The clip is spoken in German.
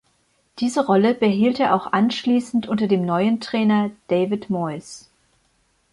Diese Rolle behielt er auch anschließend unter dem neuen Trainer David Moyes.